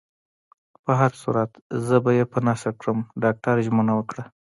په هر صورت، زه به يې په نښه کړم. ډاکټر ژمنه وکړه.